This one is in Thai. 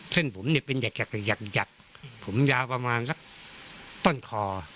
เส้นผมเป็นหยักผมยาวประมาณต้นคอ